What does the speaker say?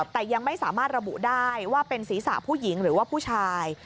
แต่ยังไม่สามารถระบุได้ว่าเป็นศีรษะผู้หญิงหรือว่าผู้ชาย